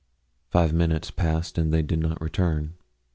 Five minutes passed and they did not return.